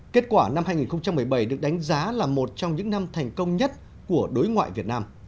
kết quả năm hai nghìn một mươi bảy được đánh giá là một trong những năm thành công nhất của đối ngoại việt nam